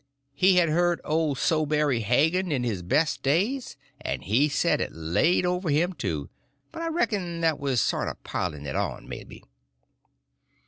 He had heard old Sowberry Hagan in his best days, and he said it laid over him, too; but I reckon that was sort of piling it on, maybe.